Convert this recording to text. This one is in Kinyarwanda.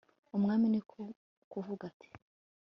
umwami ni ko kuvuga ati